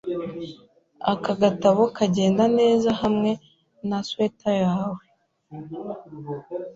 Aka gatabo kagenda neza hamwe na swater yawe.